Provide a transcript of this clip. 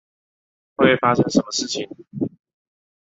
会发生什么事情？